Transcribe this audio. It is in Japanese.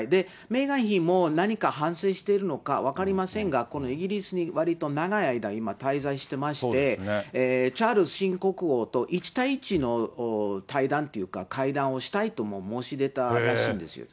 メーガン妃も何か、反省しているのか分かりませんが、このイギリスにわりと長い間、今、滞在してまして、チャールズ新国王と１対１の対談っていうか、会談をしたいとも申し出たらしいんですよ。